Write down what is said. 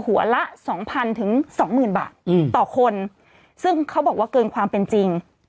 หัวละสองพันถึงสองหมื่นบาทต่อคนซึ่งเขาบอกว่าเกินความเป็นจริง